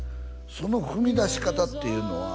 その踏み出し方っていうのは